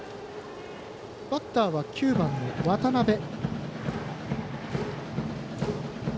バッターは、９番の渡辺。